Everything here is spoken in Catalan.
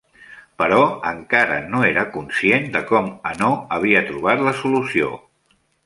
Però encara no era conscient de com Hanaud havia trobat la solució.